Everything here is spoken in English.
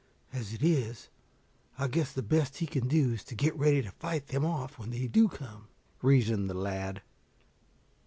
As it is, I guess the best he can do is to get ready to fight them off when they do come," reasoned the lad.